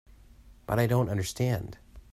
But I don't understand.